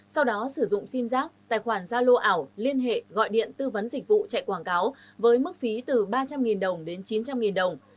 sau đó sử dụng sim giác tài khoản gia lô ảo liên hệ gọi điện tư vấn dịch vụ chạy quảng cáo với mức phí từ ba trăm linh đồng đến chín trăm linh đồng